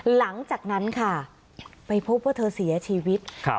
หลังจากนั้นค่ะไปพบว่าเธอเสียชีวิตครับ